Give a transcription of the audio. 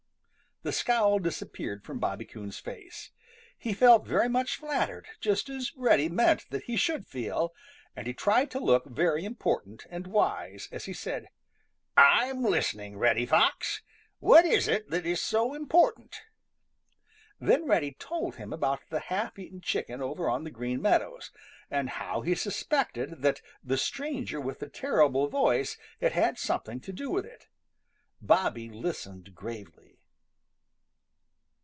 The scowl disappeared from Bobby Coon's face. He felt very much flattered, just as Reddy meant that he should feel, and he tried to look very important and wise as he said: "I'm listening, Reddy Fox. What is it that is so important?" Then Reddy told him all about the half eaten chicken over on the Green Meadows, and how he suspected that the stranger with the terrible voice had had something to do with it. Bobby listened gravely.